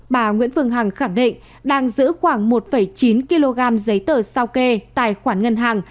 bà nguyễn phương hằng khẳng định đang giữ khoảng một chín kg giấy tờ sao kê tài khoản ngân hàng